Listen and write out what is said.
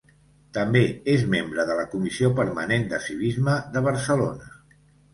També és membre de la Comissió Permanent de Civisme de Barcelona.